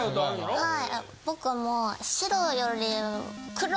はい。